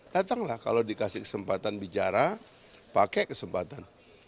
datanglah kalau dikasih kesempatan bicara pakai kesempatan